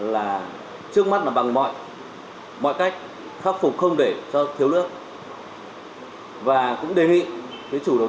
là trước mắt là bằng mọi mọi cách khắc phục không để cho thiếu nước và cũng đề nghị cái chủ đầu tư